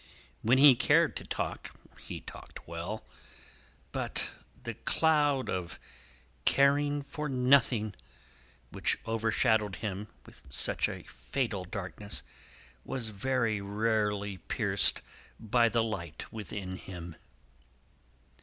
When he cared to talk, he talked well; but, the cloud of caring for nothing, which overshadowed him with such a fatal darkness, was very rarely pierced by the light within him.